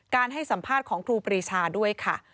ให้สัมภาษณ์ของครูปรีชาด้วยค่ะ